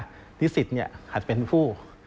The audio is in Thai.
ฤทธิ์เนี่ยหัดเป็นผู้